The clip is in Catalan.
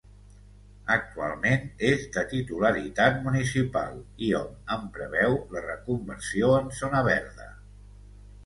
Actualment és de titularitat municipal i hom en preveu la reconversió en zona verda.